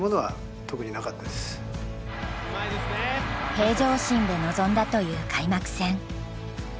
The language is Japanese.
平常心で臨んだという開幕戦。